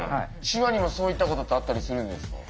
手話にもそういったことってあったりするんですか？